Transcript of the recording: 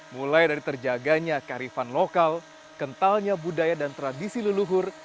mulai dari terjaganya karifan lokal kentalnya budaya dan tradisi leluhur